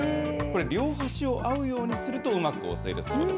両端を合うようにするとうまく押せるそうです。